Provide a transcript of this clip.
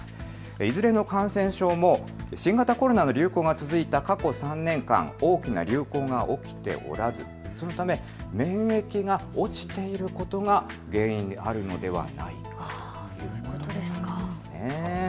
いずれの感染症も新型コロナの流行が続いた過去３年間大きな流行が起きておらずそのため免疫が落ちていることが原因にあるのではないかということなんです。